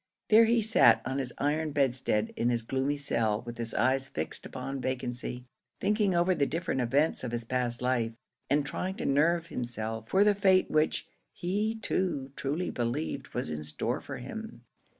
There he sat, on his iron bedstead in his gloomy cell, with his eyes fixed upon vacancy, thinking over the different events of his past life, and trying to nerve himself for the fate which, he too truly believed, was in store for him.